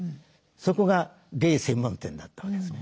そこがゲイ専門店だったわけですね。